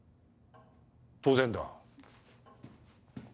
当然だ。